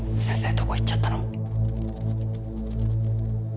どこ行っちゃったの？